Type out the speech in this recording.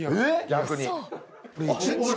逆に。